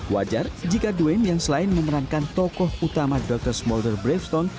wajar jika dwine yang selain memerankan tokoh utama dr smolder brivestone